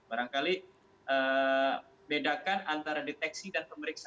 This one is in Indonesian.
barangkali bedakan antara deteksi dan pemeriksaan